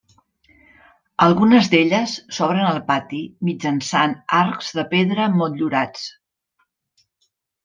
Algunes d'elles s'obren al pati mitjançant arcs de pedra motllurats.